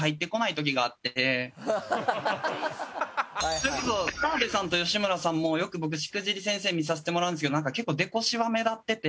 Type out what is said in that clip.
それこそ澤部さんと吉村さんもよく僕『しくじり先生』見させてもらうんですけどなんか結構デコシワ目立ってて。